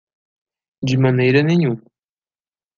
De maneira nenhuma